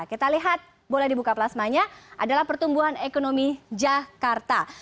kita lihat boleh dibuka plasmanya adalah pertumbuhan ekonomi jakarta